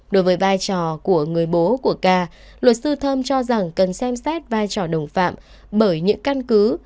đối với vai trò của người bố của ca luật sư thơm cho rằng cần xem xét vai trò đồng phạm bởi những căn cứ